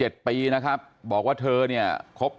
ทรงแต่ยาทรงคลุม